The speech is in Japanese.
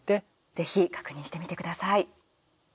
ぜひ確認してみてください。